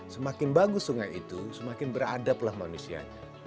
semakin bagus sungai itu semakin beradablah manusianya